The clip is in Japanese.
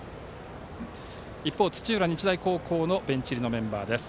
一方、土浦日大高校のベンチ入りメンバーです。